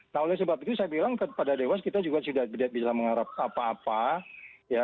nah oleh sebab itu saya bilang kepada dewas kita juga sudah tidak bisa mengharap apa apa ya